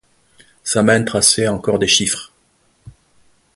Sa main traçait encore des chiffres.